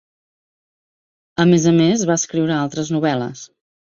A més a més, va escriure altres novel·les.